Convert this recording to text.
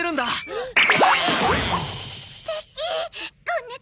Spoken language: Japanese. えっ！？